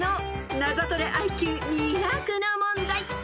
［ナゾトレＩＱ２００の問題］